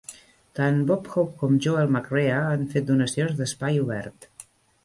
Tant Bob Hope com Joel McCrea han fet donacions d'espai obert.